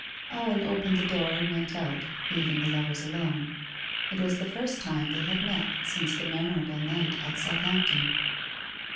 Owen opened the door and went out leaving the lovers alone. It was the first time they had met since the memorable night at Southampton.